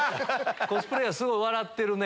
コスプレーヤーすごい笑ってるね。